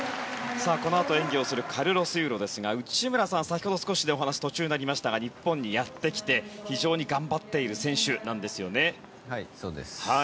このあと演技をするカルロス・ユーロですが内村さん、先ほど少しお話、途中になりましたが日本にやってきて非常に頑張っている選手なんですよね。